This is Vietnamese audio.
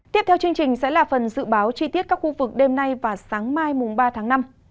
tiếp theo chương trình sẽ là phần dự báo chi tiết các khu vực đêm nay và sáng mai mùng ba tháng năm